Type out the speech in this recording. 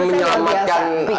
dia menyelamatkan semua